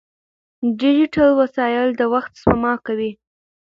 ډیجیټل وسایل د وخت سپما کوي.